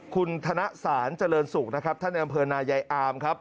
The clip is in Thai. คุณธนสารเจริญสุขนะครับท่านในอำเภอนายายอามครับ